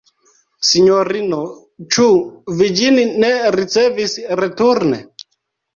Sinjorino, ĉu vi ĝin ne ricevis returne?